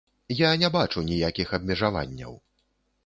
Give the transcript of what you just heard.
Я не бачу ніякіх абмежаванняў.